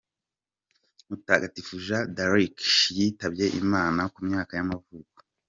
Mutagatifu Jeanne d’Arc yitabye Imana, ku myaka y’amavuko.